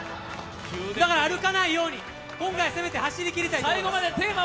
だから歩かないように、今回、せめて走りきりたいと思います。